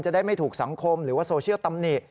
ได้ไม่ถูกสังคมหรือว่าโซเชียลตำหนิ